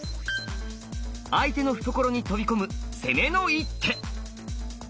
相手の懐に飛び込む攻めの一手。